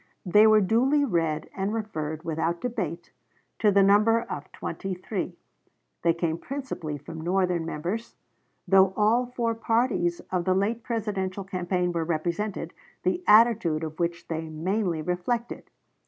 They were duly read and referred, without debate, to the number of twenty three. They came principally from Northern members, though all four parties of the late Presidential campaign were represented, the attitude of which they mainly reflected.